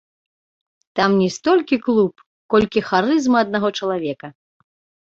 Там не столькі клуб, колькі харызма аднаго чалавека.